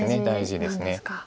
大事です。